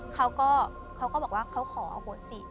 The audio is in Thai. เขาก็บอกว่าเขาขอโอโหสิ